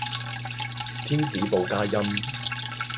天使報佳音